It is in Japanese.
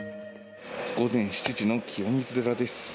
午前７時の清水寺です。